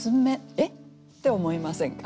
「えっ？」って思いませんか？